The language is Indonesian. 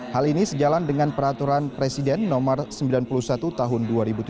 hal ini sejalan dengan peraturan presiden nomor sembilan puluh satu tahun dua ribu tujuh belas